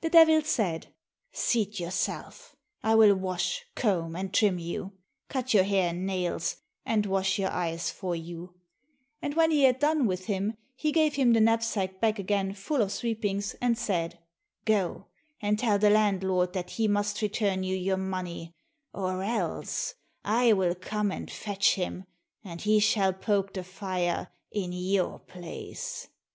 The Devil said, "Seat yourself, I will wash, comb, and trim you, cut your hair and nails, and wash your eyes for you," and when he had done with him, he gave him the knapsack back again full of sweepings, and said, "Go and tell the landlord that he must return you your money, or else I will come and fetch him, and he shall poke the fire in your place."